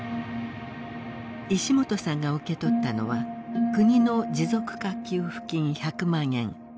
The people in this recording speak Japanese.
石本さんが受け取ったのは国の持続化給付金１００万円。